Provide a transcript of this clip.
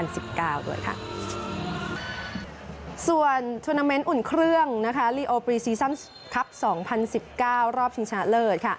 ส่วนทวนาเมนต์อุ่นเครื่องลีโอปรีซีซัมคลับ๒๐๑๙รอบชิงชนะเลิศ